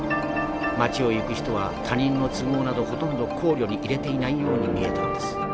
街を行く人は他人の都合などほとんど考慮に入れていないように見えたのです。